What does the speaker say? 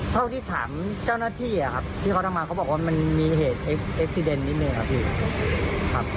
เท่าที่ถามเจ้าหน้าที่ครับที่เขาทำมาเขาบอกว่ามันมีเหตุเอ็กซีเดนนิดนึงครับพี่ครับ